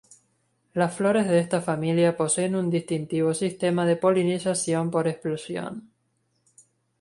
Las flores de esta familia poseen un distintivo sistema de polinización por explosión.